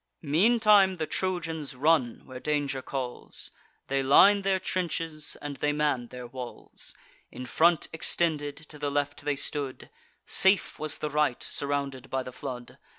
Meantime the Trojans run, where danger calls; They line their trenches, and they man their walls. In front extended to the left they stood; Safe was the right, surrounded by the flood.